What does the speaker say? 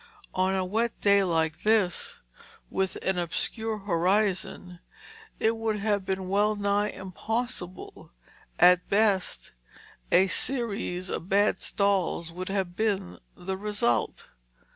On a wet day like this with an obscured horizon it would have been well nigh impossible: at best, a series of bad stalls would have been the result.